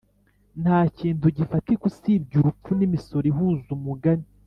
ntakintu gifatika usibye urupfu n'imisoro ihuza umugani